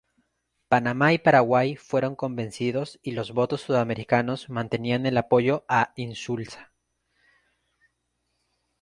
Panamá y Paraguay fueron convencidos y los votos sudamericanos mantenían el apoyo a Insulza.